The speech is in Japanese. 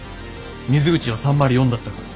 水口は３０４だったから。